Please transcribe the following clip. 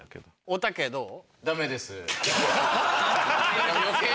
おたけどう？